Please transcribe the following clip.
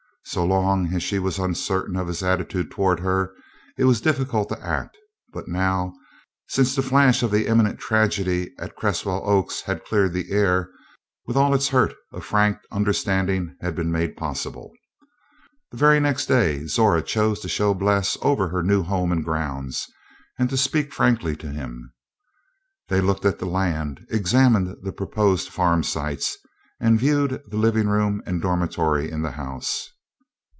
So long as she was uncertain of his attitude toward her, it was difficult to act; but now, since the flash of the imminent tragedy at Cresswell Oaks had cleared the air, with all its hurt a frank understanding had been made possible. The very next day Zora chose to show Bles over her new home and grounds, and to speak frankly to him. They looked at the land, examined the proposed farm sites, and viewed the living room and dormitory in the house.